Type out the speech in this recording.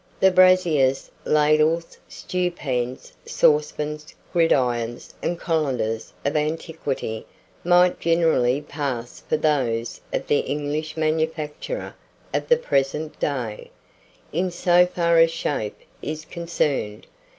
The braziers, ladles, stewpans, saucepans, gridirons, and colanders of antiquity might generally pass for those of the English manufacture of the present day, in so far as shape is concerned.